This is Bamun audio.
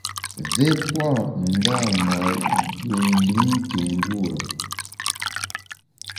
Mvé pua ndâ mâ yû lùmntùm ngure.